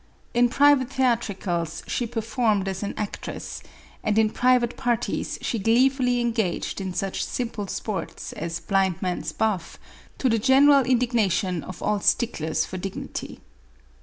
In private theatricals she performed as an ac tress, and in private parties she gleefully engaged in such simple sports as blind man's buff, to the general indignation of all sticklers for dignity.